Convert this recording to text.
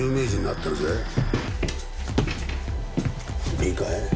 いいかい？